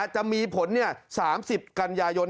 จะมีผล๓๐กันยายน